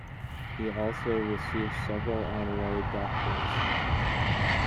He has also received several honorary doctorates.